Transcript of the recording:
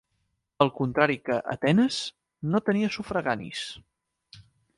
Al contrari que Atenes, no tenia sufraganis.